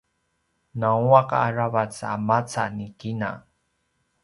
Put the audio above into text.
nguaq aravac a maca ni kina